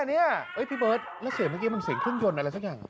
อันนี้พี่เบิร์ตแล้วเสียงเมื่อกี้มันเสียงเครื่องยนต์อะไรสักอย่าง